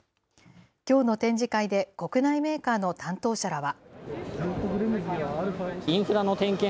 きょうの展示会で、国内メーカーの担当者らは。